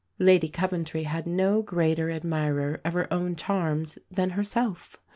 Lady Coventry had no greater admirer of her own charms than herself.